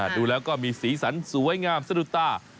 ดูแล้วก็มีสีสันสวยงามสะดุดตา